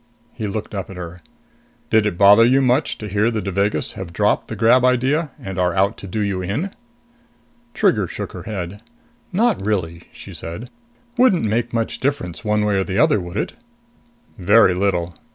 He looked up at her. "Did it bother you much to hear the Devagas have dropped the grab idea and are out to do you in?" Trigger shook her head. "Not really," she said. "Wouldn't make much difference one way or the other, would it?" "Very little."